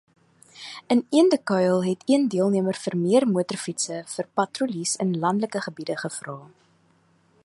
In Eendekuil het een deelnemer vir meer motorfietse vir patrollies in landelike gebiede gevra.